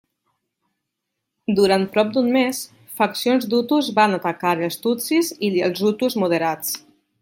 Durant prop d'un mes, faccions d'hutus van atacar els tutsis i els hutus moderats.